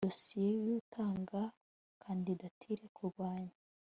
dosiye y utanga kandidatire ku mwanya